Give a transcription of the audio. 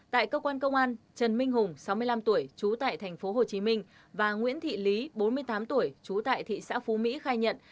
tại cơ quan công an trần minh hùng sáu mươi năm tuổi trú tại tp hcm và nguyễn thị lý bốn mươi tám tuổi trú tại thị xã phú mỹ khai nhận